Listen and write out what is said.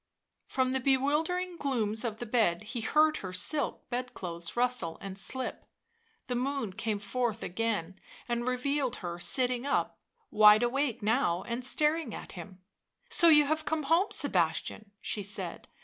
From the bewildering glooms of the bed he heard her silk bed clothes rustle and slip ; the moon came forth again and revealed her sitting up, wide awake now and staring at him. "So you have come home, Sebastian?" she said.